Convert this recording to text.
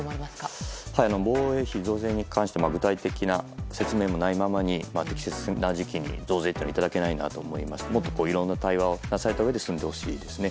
防衛費増税に関して具体的な説明もないままに適切な時期に増税はいただけないなと思ってもっといろんなことを話し合われたうえで進んでほしいですね。